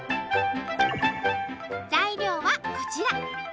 材料はこちら。